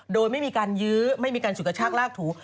โดยไม่มีการยื้อไม่มีการฉุดกระชากลากถู